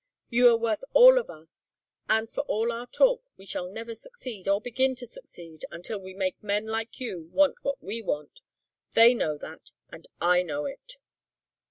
You are worth all of us and for all our talk we shall never succeed or begin to succeed until we make men like you want what we want. They know that and I know it."